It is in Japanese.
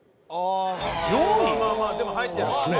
まあまあまあでも入ってるからね。